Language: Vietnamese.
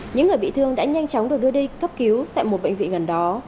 những người bị thương đã nhanh chóng được đưa đi cấp cứu tại một bệnh viện gần đó